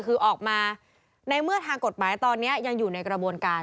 คือออกมาในเมื่อทางกฎหมายตอนนี้ยังอยู่ในกระบวนการ